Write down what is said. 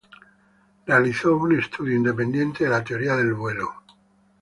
Realizó un estudio independiente de la teoría del vuelo.